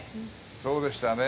そうでしたね。